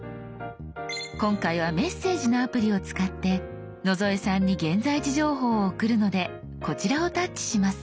今回は「メッセージ」のアプリを使って野添さんに現在地情報を送るのでこちらをタッチします。